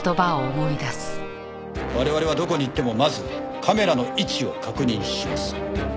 我々はどこに行ってもまずカメラの位置を確認します。